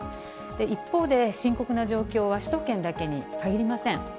一方で、深刻な状況は首都圏だけに限りません。